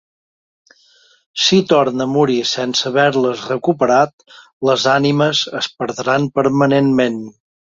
Si torna a morir sense haver-les recuperat, les ànimes es perdran permanentment.